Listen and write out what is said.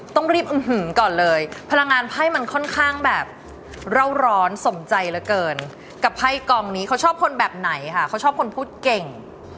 ต้องรีบอื้อหือก่อนเลยพลังงานไพ่มันค่อนข้างแบบเล่าร้อนสมใจเหลือเกินกับไพ่กองนี้เขาชอบคนแบบไหนค่ะเขาชอบคนพูดเก่ง